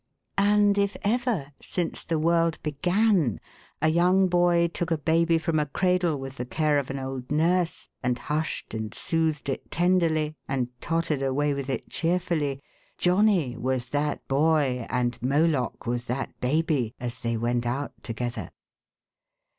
" And if ever, since the world began, a young boy took a baby from a cradle with the care of an old nurse, and hushed and soothed it tenderly, and tottered away with it cheerfully, Johnny was that boy, and Moloch was that baby, as they went out together